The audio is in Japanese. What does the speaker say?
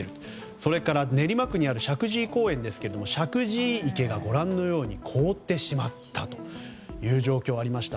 それから練馬区にある石神井公園ですが石神井池が凍ってしまったという状況がありました。